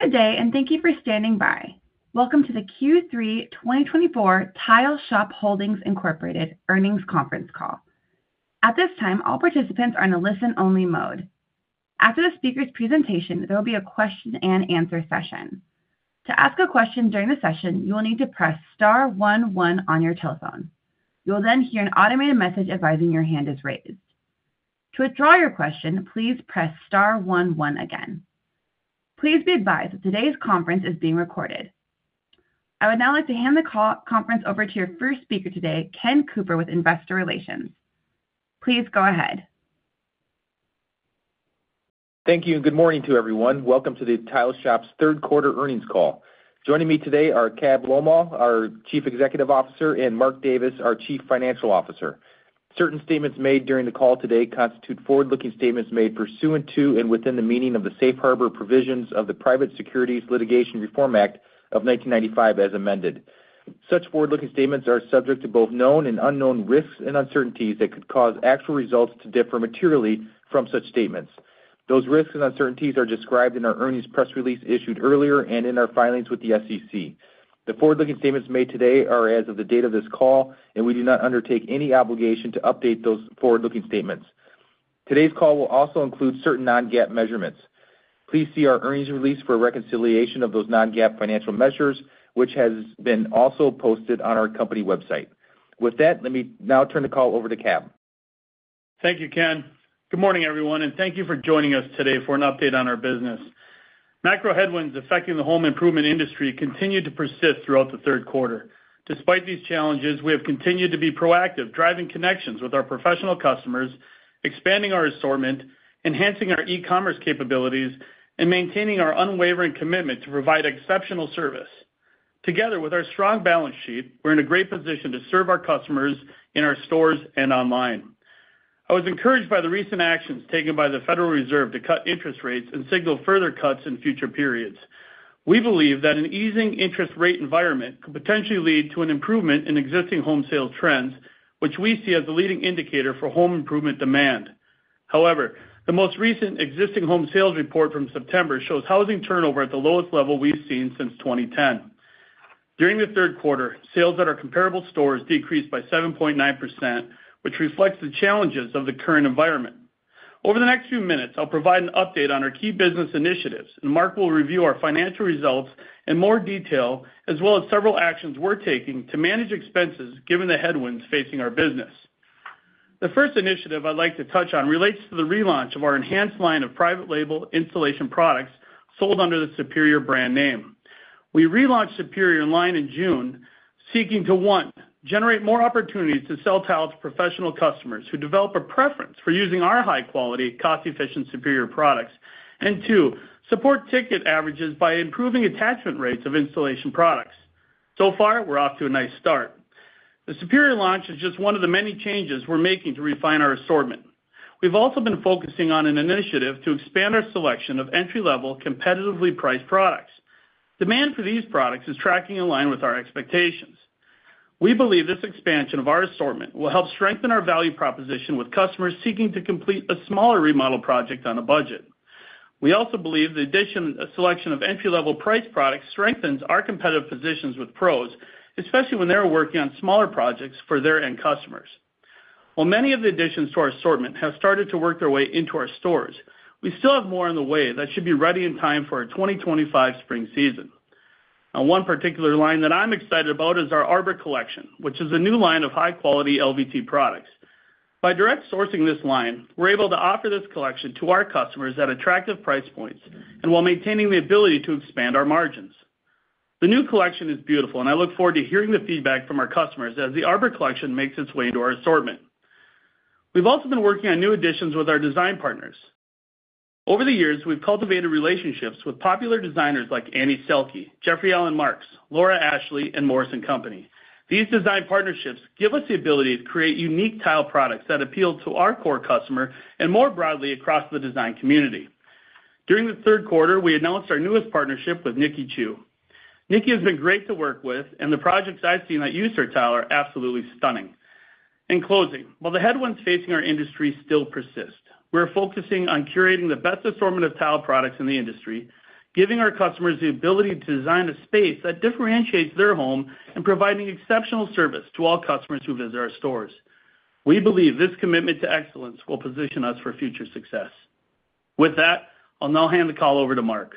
Good day, and thank you for standing by. Welcome to the Q3 2024 Tile Shop Holdings Incorporated earnings conference call. At this time, all participants are in a listen-only mode. After the speaker's presentation, there will be a question-and-answer session. To ask a question during the session, you will need to press star 11 on your telephone. You will then hear an automated message advising your hand is raised. To withdraw your question, please press star 11 again. Please be advised that today's conference is being recorded. I would now like to hand the conference over to your first speaker today, Ken Cooper with Investor Relations. Please go ahead. Thank you, and good morning to everyone. Welcome to the Tile Shop's third quarter earnings call. Joining me today are Cab Lolmaugh, our Chief Executive Officer, and Mark Davis, our Chief Financial Officer. Certain statements made during the call today constitute forward-looking statements made pursuant to and within the meaning of the Safe Harbor Provisions of the Private Securities Litigation Reform Act of 1995 as amended. Such forward-looking statements are subject to both known and unknown risks and uncertainties that could cause actual results to differ materially from such statements. Those risks and uncertainties are described in our earnings press release issued earlier and in our filings with the SEC. The forward-looking statements made today are as of the date of this call, and we do not undertake any obligation to update those forward-looking statements. Today's call will also include certain non-GAAP measurements. Please see our earnings release for reconciliation of those non-GAAP financial measures, which has been also posted on our company website. With that, let me now turn the call over to Cab. Thank you, Ken. Good morning, everyone, and thank you for joining us today for an update on our business. Macro headwinds affecting the home improvement industry continue to persist throughout the third quarter. Despite these challenges, we have continued to be proactive, driving connections with our professional customers, expanding our assortment, enhancing our e-commerce capabilities, and maintaining our unwavering commitment to provide exceptional service. Together with our strong balance sheet, we're in a great position to serve our customers in our stores and online. I was encouraged by the recent actions taken by the Federal Reserve to cut interest rates and signal further cuts in future periods. We believe that an easing interest rate environment could potentially lead to an improvement in existing home sales trends, which we see as the leading indicator for home improvement demand. However, the most recent existing home sales report from September shows housing turnover at the lowest level we've seen since 2010. During the third quarter, sales at our comparable stores decreased by 7.9%, which reflects the challenges of the current environment. Over the next few minutes, I'll provide an update on our key business initiatives, and Mark will review our financial results in more detail, as well as several actions we're taking to manage expenses given the headwinds facing our business. The first initiative I'd like to touch on relates to the relaunch of our enhanced line of private label installation products sold under the Superior brand name. We relaunched Superior line in June, seeking to, one, generate more opportunities to sell tiles to professional customers who develop a preference for using our high-quality, cost-efficient Superior products, and two, support ticket averages by improving attachment rates of installation products. So far, we're off to a nice start. The Superior launch is just one of the many changes we're making to refine our assortment. We've also been focusing on an initiative to expand our selection of entry-level, competitively priced products. Demand for these products is tracking in line with our expectations. We believe this expansion of our assortment will help strengthen our value proposition with customers seeking to complete a smaller remodel project on a budget. We also believe the addition of a selection of entry-level price products strengthens our competitive positions with pros, especially when they're working on smaller projects for their end customers. While many of the additions to our assortment have started to work their way into our stores, we still have more on the way that should be ready in time for our 2025 spring season. Now, one particular line that I'm excited about is our Arbor Collection, which is a new line of high-quality LVT products. By direct sourcing this line, we're able to offer this collection to our customers at attractive price points and while maintaining the ability to expand our margins. The new collection is beautiful, and I look forward to hearing the feedback from our customers as the Arbor Collection makes its way into our assortment. We've also been working on new additions with our design partners. Over the years, we've cultivated relationships with popular designers like Annie Selke, Jeffrey Alan Marks, Laura Ashley, and Morris & Company. These design partnerships give us the ability to create unique tile products that appeal to our core customer and more broadly across the design community. During the third quarter, we announced our newest partnership with Nikki Chu. Nikki has been great to work with, and the projects I've seen that use her tile are absolutely stunning. In closing, while the headwinds facing our industry still persist, we're focusing on curating the best assortment of tile products in the industry, giving our customers the ability to design a space that differentiates their home and providing exceptional service to all customers who visit our stores. We believe this commitment to excellence will position us for future success. With that, I'll now hand the call over to Mark.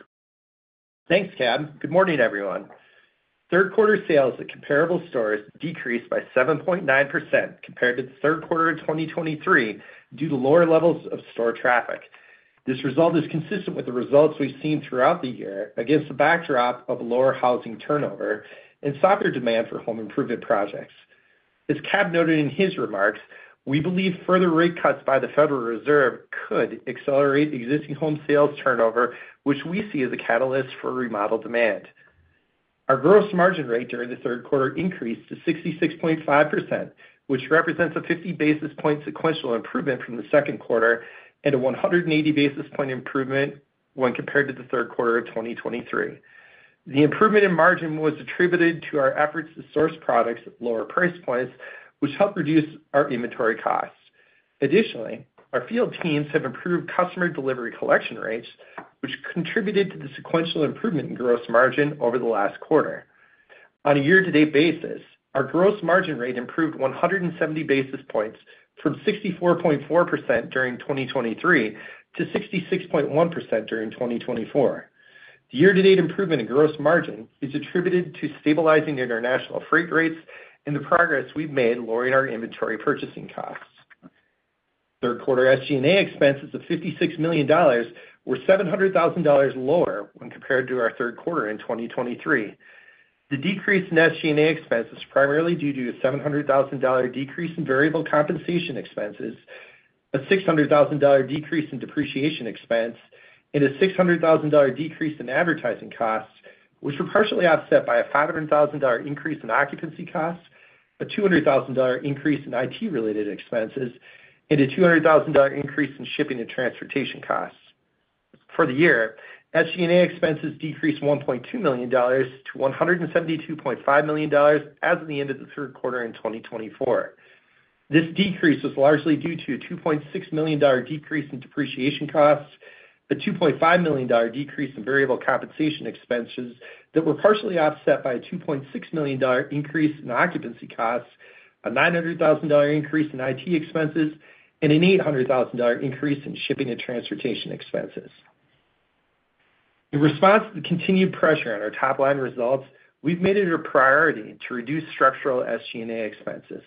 Thanks, Cab. Good morning, everyone. Third quarter sales at comparable stores decreased by 7.9% compared to the third quarter of 2023 due to lower levels of store traffic. This result is consistent with the results we've seen throughout the year against the backdrop of lower housing turnover and softer demand for home improvement projects. As Cab noted in his remarks, we believe further rate cuts by the Federal Reserve could accelerate existing home sales turnover, which we see as a catalyst for remodel demand. Our gross margin rate during the third quarter increased to 66.5%, which represents a 50 basis point sequential improvement from the second quarter and a 180 basis point improvement when compared to the third quarter of 2023. The improvement in margin was attributed to our efforts to source products at lower price points, which helped reduce our inventory costs. Additionally, our field teams have improved customer delivery collection rates, which contributed to the sequential improvement in gross margin over the last quarter. On a year-to-date basis, our gross margin rate improved 170 basis points from 64.4% during 2023 to 66.1% during 2024. The year-to-date improvement in gross margin is attributed to stabilizing international freight rates and the progress we've made lowering our inventory purchasing costs. Third quarter SG&A expenses of $56 million were $700,000 lower when compared to our third quarter in 2023. The decrease in SG&A expenses is primarily due to a $700,000 decrease in variable compensation expenses, a $600,000 decrease in depreciation expense, and a $600,000 decrease in advertising costs, which were partially offset by a $500,000 increase in occupancy costs, a $200,000 increase in IT-related expenses, and a $200,000 increase in shipping and transportation costs. For the year, SG&A expenses decreased $1.2 million to $172.5 million as of the end of the third quarter in 2024. This decrease was largely due to a $2.6 million decrease in depreciation costs, a $2.5 million decrease in variable compensation expenses that were partially offset by a $2.6 million increase in occupancy costs, a $900,000 increase in IT expenses, and an $800,000 increase in shipping and transportation expenses. In response to the continued pressure on our top-line results, we've made it a priority to reduce structural SG&A expenses.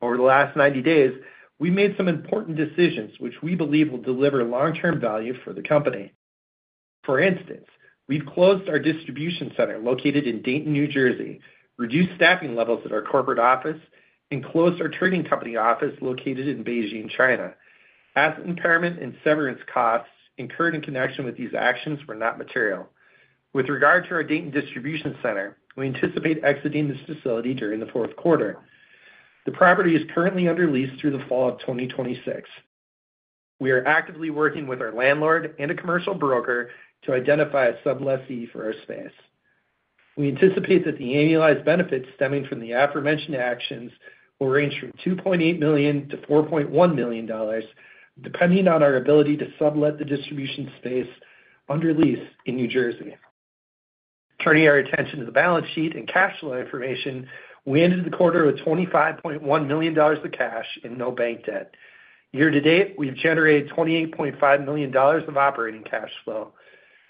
Over the last 90 days, we've made some important decisions which we believe will deliver long-term value for the company. For instance, we've closed our distribution center located in Dayton, New Jersey, reduced staffing levels at our corporate office, and closed our trading company office located in Beijing, China. Asset impairment and severance costs incurred in connection with these actions were not material. With regard to our Dayton distribution center, we anticipate exiting this facility during the fourth quarter. The property is currently under lease through the fall of 2026. We are actively working with our landlord and a commercial broker to identify a subtenant for our space. We anticipate that the annualized benefits stemming from the aforementioned actions will range from $2.8-$4.1 million, depending on our ability to sublet the distribution space under lease in New Jersey. Turning our attention to the balance sheet and cash flow information, we ended the quarter with $25.1 million of cash and no bank debt. Year-to-date, we've generated $28.5 million of operating cash flow.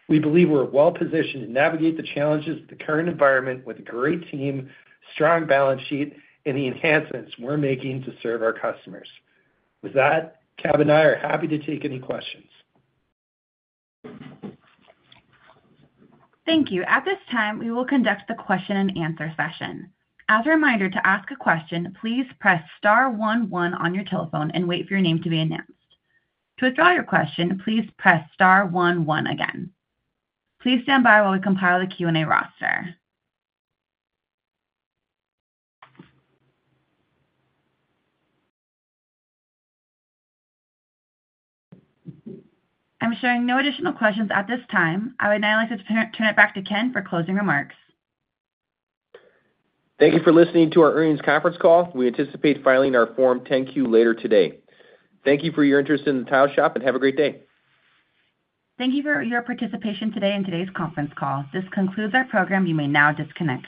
We believe we're well-positioned to navigate the challenges of the current environment with a great team, strong balance sheet, and the enhancements we're making to serve our customers. With that, Cab and I are happy to take any questions. Thank you. At this time, we will conduct the question-and-answer session. As a reminder, to ask a question, please press star 11 on your telephone and wait for your name to be announced. To withdraw your question, please press star 11 again. Please stand by while we compile the Q&A roster. I'm showing no additional questions at this time. I would now like to turn it back to Ken for closing remarks. Thank you for listening to our earnings conference call. We anticipate filing our Form 10-Q later today. Thank you for your interest in the Tile Shop, and have a great day. Thank you for your participation today in today's conference call. This concludes our program. You may now disconnect.